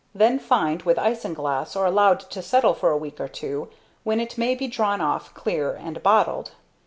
Then fined with isinglass, or allowed to settle for a week or two, when it may be drawn off clear and bottled.